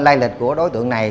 lai lịch của đối tượng này